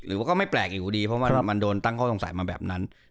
ก็ไม่แปลกอยู่ดีเพราะว่ามันโดนตั้งข้อสงสัยมาแบบนั้น